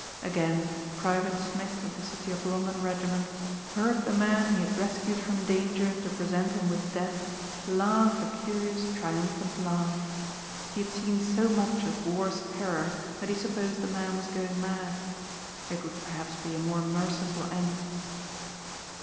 Again Private Smith of the City of London regiment heard the man he had rescued from danger to present him with death, laugh a curious triumphant laugh. He had seen so much of war's terror that he supposed the man was going mad. It would perhaps be a more merciful end.